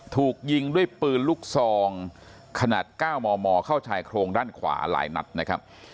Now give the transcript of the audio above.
ถูกยิงด้วยปืนลูกซองขนาด๙มมเข้าชายโครงด้านขวาหลายนัดนะครับ